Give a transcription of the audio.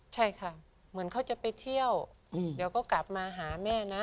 ใช่ค่ะเหมือนเขาจะไปเที่ยวเดี๋ยวก็กลับมาหาแม่นะ